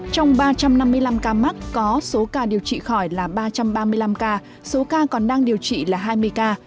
trong ba trăm năm mươi năm ca mắc có số ca điều trị khỏi là ba trăm ba mươi năm ca số ca còn đang điều trị là hai mươi ca